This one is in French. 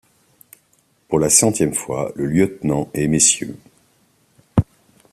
Pour la centième fois, le lieutenant et Mrs.